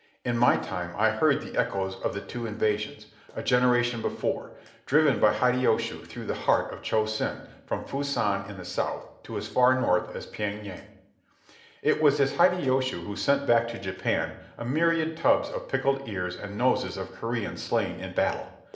In my time I heard the echoes of the two invasions, a generation before, driven by Hideyoshi through the heart of Cho Sen from Fusan in the south to as far north as Pyeng Yang. It was this Hideyoshi who sent back to Japan a myriad tubs of pickled ears and noses of Koreans slain in battle.